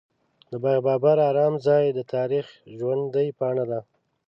د باغ بابر ارام ځای د تاریخ ژوندۍ پاڼه ده.